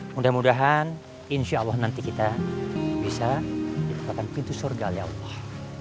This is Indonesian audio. mudah mudahan insya allah nanti kita bisa di tempat pintu surga allah